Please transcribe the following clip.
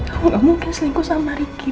aku gak mungkin selingkuh sama ricky